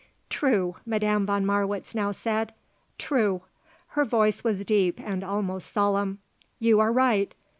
"True," Madame von Marwitz now said. "True." Her voice was deep and almost solemn. "You are right.